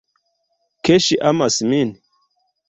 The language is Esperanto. Ke ŝi amas min?